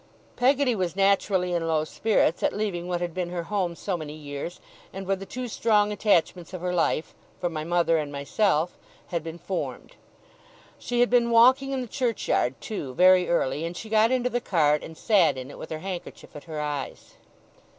Peggotty was naturally in low spirits at leaving what had been her home so many years, and where the two strong attachments of her life for my mother and myself had been formed. She had been walking in the churchyard, too, very early; and she got into the cart, and sat in it with her handkerchief at her eyes.